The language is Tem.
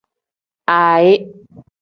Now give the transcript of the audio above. Aayi.